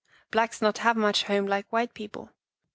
" Blacks not have much home like white people.